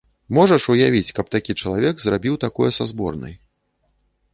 Можаш уявіць, каб такі чалавек зрабіў такое са зборнай?